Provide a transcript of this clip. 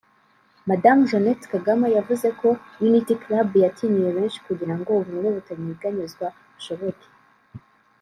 Madamu Jeannette Kagame yavuze ko Unity Club yatinyuye benshi kugira ngo ubumwe butanyeganyezwa bushoboke